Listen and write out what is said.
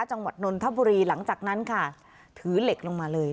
นนทบุรีหลังจากนั้นค่ะถือเหล็กลงมาเลย